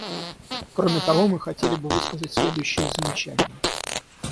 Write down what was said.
Кроме того, мы хотели бы высказать следующие замечания.